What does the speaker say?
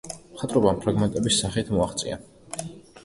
მხატვრობამ ფრაგმენტების სახით მოაღწია.